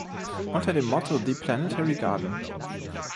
Unter dem Motto "The Planetary Garden.